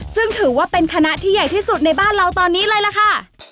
ซึ่งถือว่าเป็นคณะที่ใหญ่ที่สุดในบ้านเราตอนนี้เลยล่ะค่ะ